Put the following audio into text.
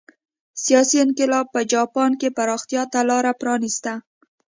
سیاسي انقلاب په جاپان کې پراختیا ته لار پرانېسته.